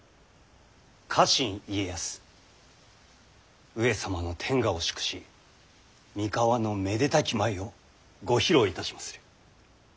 家臣家康上様の天下を祝し三河のめでたき舞をご披露いたしまする。